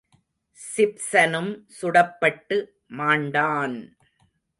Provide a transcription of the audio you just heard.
சிப்சனும் சுடப்பட்டு மாண்டான்!